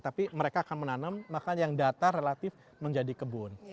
tapi mereka akan menanam maka yang datar relatif menjadi kebun